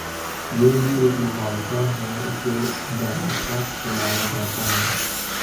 یہ بھی ایک مغالطہ ہے جو دانستہ پھیلایا جا تا ہے۔